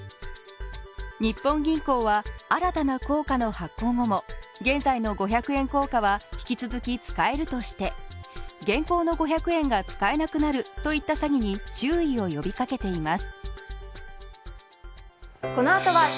日本銀行は新たな硬貨の発行後も現在の五百円通貨は引き続き使えるとして、現行の五百円が使えなくなるといった詐欺に注意を呼びかけています。